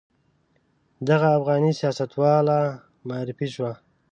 دغه افغاني سیاستواله معرفي شوه.